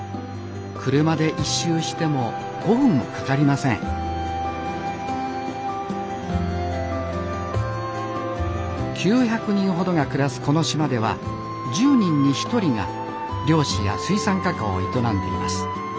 車で一周しても５分もかかりません９００人ほどが暮らすこの島では１０人に１人が漁師や水産加工を営んでいます。